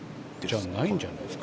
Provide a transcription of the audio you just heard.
じゃないんじゃないですか？